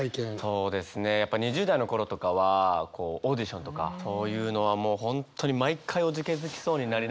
そうですねやっぱ２０代の頃とかはこうオーディションとかそういうのはもう本当に毎回おじけづきそうになりながら。